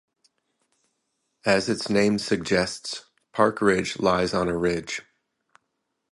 As its name suggests, Park Ridge lies on a ridge.